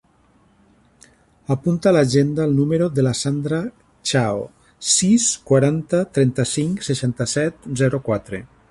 Apunta a l'agenda el número de la Sandra Chao: sis, quaranta, trenta-cinc, seixanta-set, zero, quatre.